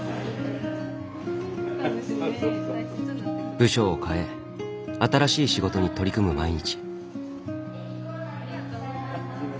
部署をかえ新しい仕事に取り組む毎日。